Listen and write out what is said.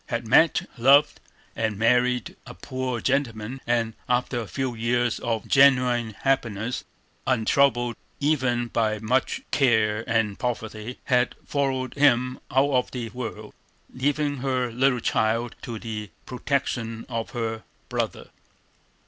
Had met, loved, and married a poor gentleman, and, after a few years of genuine happiness, untroubled even by much care and poverty, had followed him out of the world, leaving her little child to the protection of her brother.